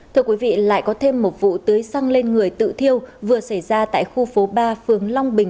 thưa quý vị lại có thêm một vụ tưới xăng lên người tự thiêu vừa xảy ra tại khu phố ba phường long bình